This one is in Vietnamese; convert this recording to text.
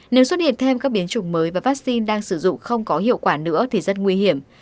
nếu xuất hiện thêm các biến chủng mới và vaccine đang sử dụng không có hiệu quả nữa thì rất nguy hiểm